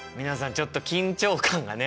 ちょっと緊張感がね。